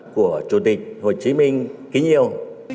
của chủ tịch hồ chí minh kinh nhiêu